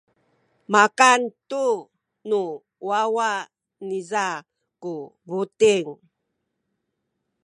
makan tu nu wawa niza ku buting.